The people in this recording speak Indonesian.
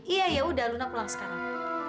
iya yaudah lunak pulang sekarang